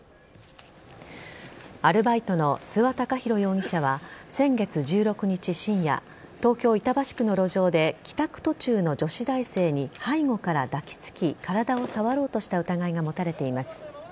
アルバイトの諏訪貴弘容疑者は先月１６日深夜東京・板橋区の路上で帰宅途中の女子大生に背後から抱きつき体を触ろうとした疑いが持たれています。